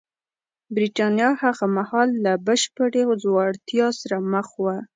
برېټانیا هغه مهال له بشپړې ځوړتیا سره مخ وه